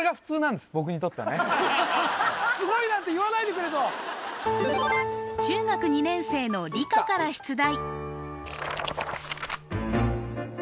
僕にとってはね「すごいなんて言わないでくれ」と中学２年生の理科から出題